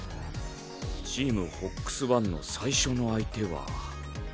ＴｅａｍＦＯＸＯＮＥの最初の相手は。